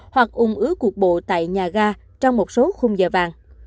hoặc ung ứa cuộc bộ tại nhà ga trong một số khung giờ vàng